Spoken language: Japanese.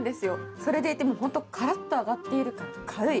それでいて、本当、からっと揚がっているから軽い。